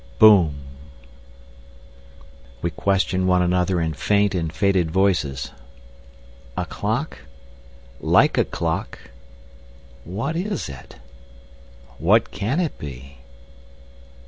Boom.... We questioned one another in faint and faded voices. "A clock?" "Like a clock!" "What is it?" "What can it be?"